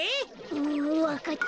うんわかった。